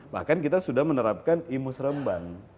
bahkan kita sudah menerapkan e musremban